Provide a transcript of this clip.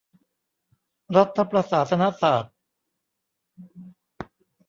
รัฐประศาสนศาสตร์